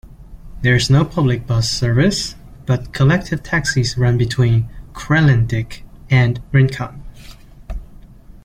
There is no public bus service, but collective taxis run between Kralendijk and Rincon.